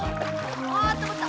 あったまった！